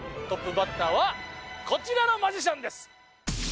トップバッターはこちらのマジシャンです！